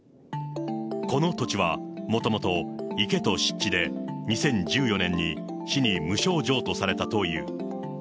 この土地はもともと、池と湿地で、２０１４年に市に無償譲渡されたという。